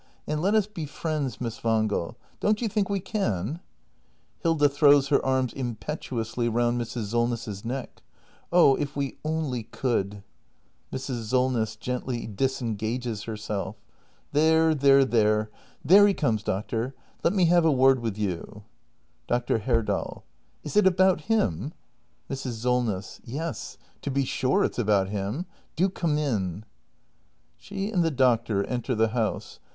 And let us be friends, Miss Wangel. Don't you think we can ? Hilda. [Throws her arms impetuously round Mrs. Solness's neck.] Oh, if we only could ! Mrs. Solness. [Gently disengages herself .] There, there, there! There he comes, doctor. Let me have a word with you. Dr. Herdal. Is it about him! Mrs. Solness. Yes, to be sure it's about him. Do come in. She and the doctor enter the house.